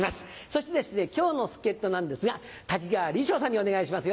そして今日の助っ人なんですが瀧川鯉昇さんにお願いします